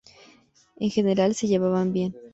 En general se llevaban bien.